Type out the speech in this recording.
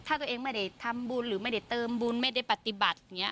ถ้าตัวเองไม่ได้ทำบุญหรือไม่ได้เติมบุญไม่ได้ปฏิบัติอย่างนี้